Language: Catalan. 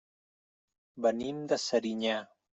Venim de Serinyà.